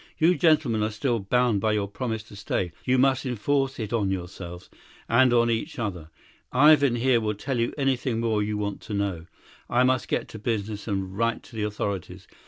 You gentlemen are still bound by your promise to stay; you must enforce it on yourselves and on each other. Ivan here will tell you anything more you want to know; I must get to business and write to the authorities.